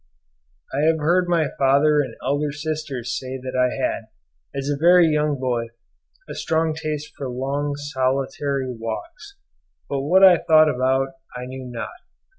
I have heard my father and elder sister say that I had, as a very young boy, a strong taste for long solitary walks; but what I thought about I know not.